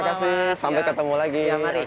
sama sama sampai ketemu lagi